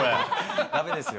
だめですよ。